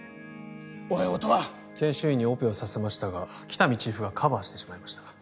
おい音羽研修医にオペをさせましたが喜多見チーフがカバーしてしまいました